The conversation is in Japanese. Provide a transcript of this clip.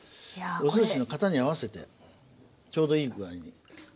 おすしの型に合わせてちょうどいい具合に。